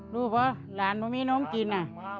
รู้ป่ะหลานผมมีนมกิน